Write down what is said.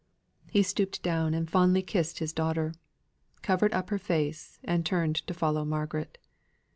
He stooped down and fondly kissed his daughter; covered up her face, and turned to follow Margaret.